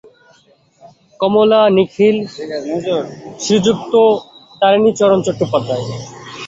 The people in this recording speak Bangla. কমলা লিখিল–শ্রীযুক্ত তারিণীচরণ চট্টোপাধ্যায়।